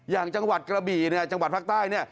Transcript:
อย่างจังหวัดกระบีแหร่งจังหวัดภาคนี้